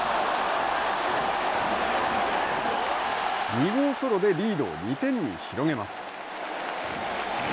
２号ソロでリードを２点に広げます。